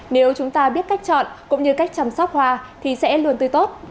nếu chúng ta biết cách chọn cũng như cách chăm sóc hoa thì sẽ luôn tươi tốt